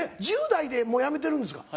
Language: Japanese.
１０代でもう辞めてるんですか？